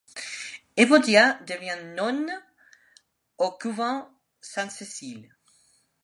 Évodia devient nonne au couvent Sainte-Cécile.